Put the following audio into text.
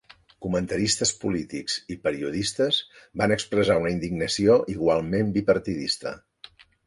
Comentaristes polítics i periodistes van expressar una indignació igualment bipartidista.